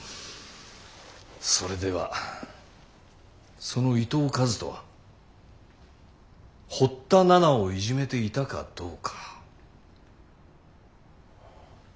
それではその伊藤和斗は堀田奈々をいじめていたかどうか。